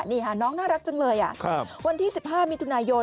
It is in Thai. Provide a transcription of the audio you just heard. นี่ค่ะน้องน่ารักจังเลยวันที่๑๕มิถุนายน